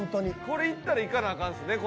これ行ったら行かなアカンですね